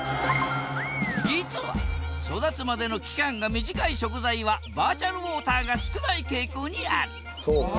実は育つまでの期間が短い食材はバーチャルウォーターが少ない傾向にあるそうか。